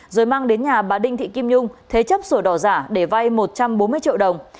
rồi mang đến nhà bà đinh thị kim nhung thế chấp sổ đỏ giả để vay một trăm bốn mươi triệu đồng